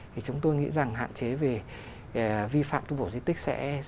thì chúng tôi nghĩ rằng hạn chế về vi phạm tu bổ di tích sẽ